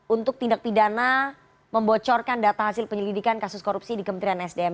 untuk tindak pidana membocorkan data hasil penyelidikan kasus korupsi di kementerian sdm